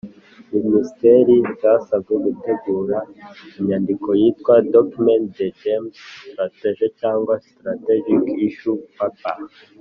minisiteri zasabwe gutegura inyandiko yitwa “document de thèmes stratégique” cyangwa “strategic issues paper”